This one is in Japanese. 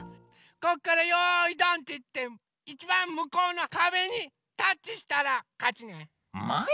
こっからよいどんっていっていちばんむこうのかべにタッチしたらかちね。もい。